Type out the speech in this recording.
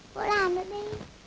bố làm nó đi